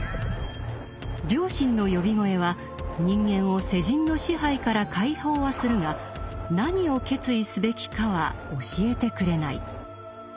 「良心の呼び声」は人間を世人の支配から解放はするが何を決意すべきかは教えてくれない。